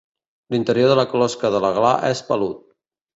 L'interior de la closca de la gla és pelut.